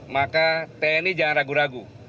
maka tni jangan ragu ragu